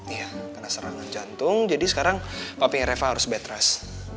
iya kena serangan jantung jadi sekarang papinya reva harus bed rest